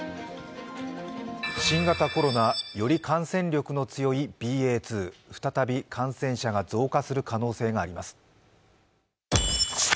新型コロナ、より感染力の強いＢＡ．２再び感染者が増加する可能性があります。